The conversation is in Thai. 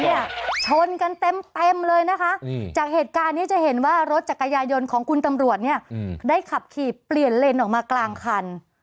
ชนกันเต็มเลยนะคะจากเหตุการณ์นี้จะเห็นว่ารถจักรยายนของคุณตำรวจเนี่ยได้ขับขี่เปลี่ยนเลนออกมากลางคัน